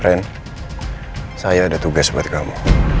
ren saya ada tugas buat kamu